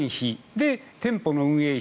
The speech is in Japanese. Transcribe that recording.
で、店舗の運営費。